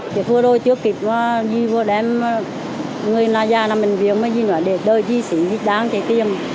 chỉ vừa rồi chưa kịp vừa đem người ra làm bệnh viện vừa đem đợi đi xin đi đáng trái tim